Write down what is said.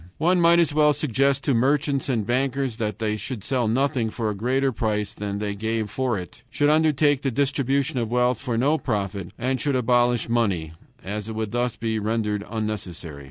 One might as well suggest to merchants and bankers that they should sell nothing for a greater price than they gave for it, should undertake the distribution of wealth for no profit, and should abolish money, as it would thus be rendered unnecessary.